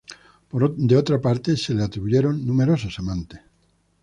Por otra parte, se le atribuyeron numerosos amantes.